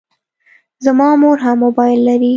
زما مور هم موبایل لري.